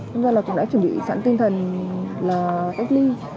hôm nay là cũng đã chuẩn bị sẵn tinh thần là cách ly